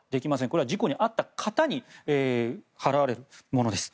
これは事故に遭った方に払われるものです。